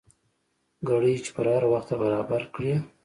ګړۍ چې پر هر وخت برابر کړې.